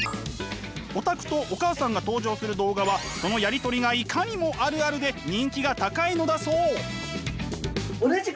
オタクとお母さんが登場する動画はそのやり取りがいかにもあるあるで人気が高いのだそう！